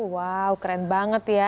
wow keren banget ya